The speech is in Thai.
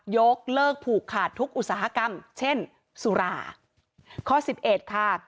๑๐ยกเลิกผูกขาดทุกอุตสาหกรรมเช่นสุรา